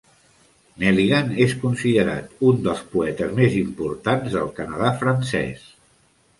Nelligan és considerat un dels poetes més importants del Canadà francès.